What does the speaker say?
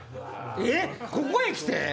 えっここへ来て？